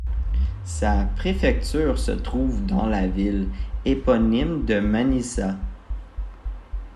Sa préfecture se trouve dans la ville éponyme de Manisa.